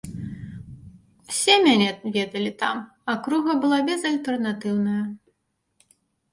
Усе мяне ведалі там, акруга была безальтэрнатыўная.